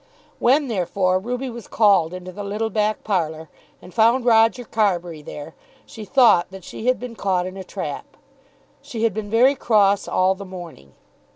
When therefore Ruby was called into the little back parlour and found Roger Carbury there, she thought that she had been caught in a trap. She had been very cross all the morning.